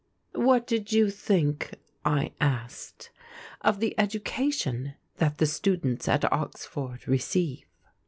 "What did you think," I asked, "of the education that the students at Oxford receive?"